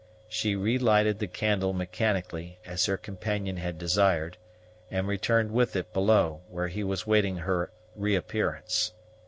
She relighted the candle mechanically, as her companion had desired, and returned with it below, where he was waiting her reappearance.